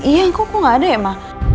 iya kok gak ada ya mah